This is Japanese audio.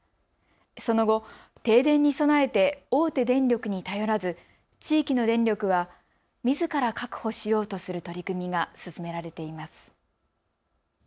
その後、停電に備えて大手電力に頼らず地域の電力はみずから確保しようとする取り組みが進められています。